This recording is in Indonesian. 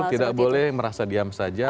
tidak boleh merasa diam saja